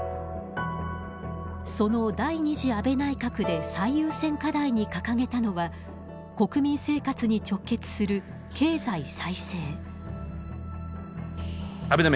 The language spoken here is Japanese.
その第２次安倍内閣で最優先課題に掲げたのは国民生活に直結する、経済再生。